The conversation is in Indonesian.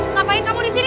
ngapain kamu disini